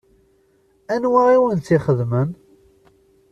Anwa i wen-tt-ixedmen?